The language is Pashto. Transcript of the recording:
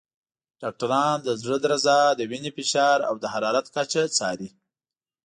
ډاکټران د زړه درزا، د وینې فشار، او د حرارت کچه څاري.